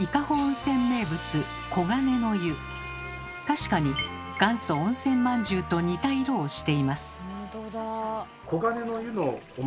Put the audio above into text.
確かに元祖温泉まんじゅうと似た色をしています。